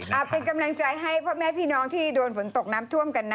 เอาเป็นกำลังใจให้พ่อแม่พี่น้องที่โดนฝนตกน้ำท่วมกันนะ